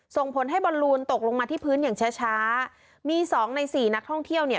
ส่งผลให้บอลลูนตกลงมาที่พื้นอย่างช้าช้ามีสองในสี่นักท่องเที่ยวเนี่ย